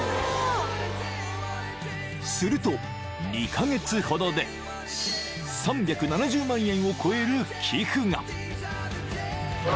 ［すると２カ月ほどで３７０万円を超える寄付が］